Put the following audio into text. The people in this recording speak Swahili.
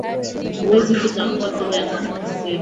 Huwezi kutambua kile alichosema